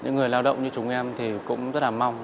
những người lao động như chúng em thì cũng rất là mong